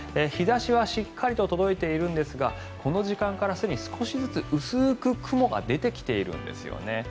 日差しはしっかりと届いているんですがこの時間からすでに少しずつ薄く雲が出てきているんですよね。